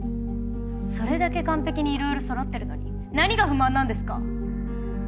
それだけ完璧にいろいろそろってるのに何が不満なんですか？